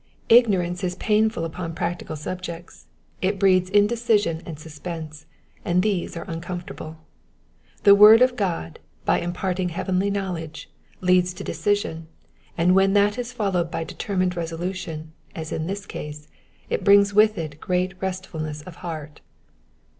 Ignorance is painful upon practical subjects ; it breeds indecision and suspense, and these are uncomfortable : the word of Ood, by imparting heavenly knowledge, leads to decision, and when that is followed by determined resolution, as in this case, it brings with it great restfulness of heart.